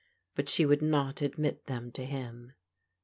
But she would not admit them to him.